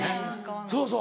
そうそう。